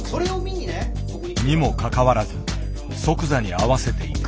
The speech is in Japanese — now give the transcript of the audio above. にもかかわらず即座に合わせていく。